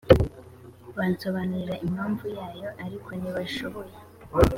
bansobanurire impamvu yayo ariko ntibashoboye